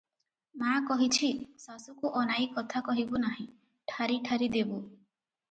ମା କହିଛି, ଶାଶୁକୁ ଅନାଇ କଥା କହିବୁ ନାହିଁ, ଠାରି ଠାରି ଦେବୁ ।